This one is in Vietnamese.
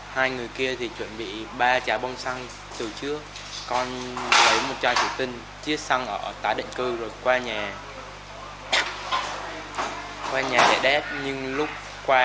hai người kia thì chuẩn bị ba trái bom xăng từ trước con lấy một chai trừ tinh chiếc xăng ở tả định cư rồi qua nhà